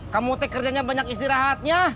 kamu kerjanya banyak istirahatnya